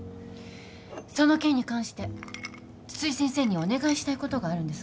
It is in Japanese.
その件に関して津々井先生にお願いしたいことがあるんですが。